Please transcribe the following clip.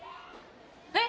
えっ！